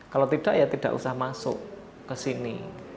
kalau tidak ya tidak usah masuk ke sini